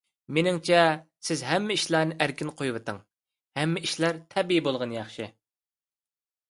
مېنىڭچە، سىز ھەممە ئىشلارنى ئەركىن قويۇۋېتىڭ. ھەممە ئىشلار تەبىئىي بولغىنى ياخشى.